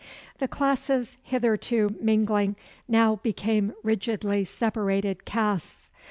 The classes, hitherto mingling, now became rigidly separated castes.